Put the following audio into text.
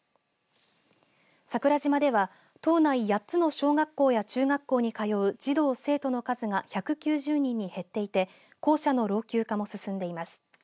桜島では島内８つの小学校や中学校に通う児童、生徒の数が１９０人に減っていて校舎の老朽化も進んでいます。